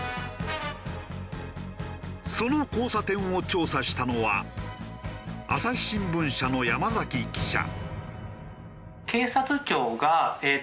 その交差点を調査したのは朝日新聞社の山記者。